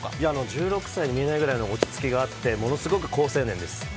１６歳に見えないぐらいの落ち着きがあって、ものすごく好青年です。